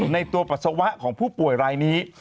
ในตัวปัสสาวะของผู้ป่วยรายนี้